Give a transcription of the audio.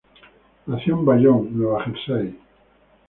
Nació en Bayonne, Nueva Jersey.